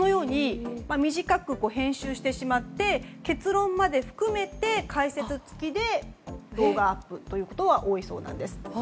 短く編集してしまって結論まで含めて解説付きで動画アップということが多いそうなんです。